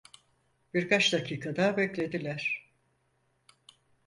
Birkaç dakika daha beklediler.